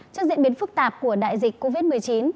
trước diễn biến phức tạp của đại dịch covid một mươi chín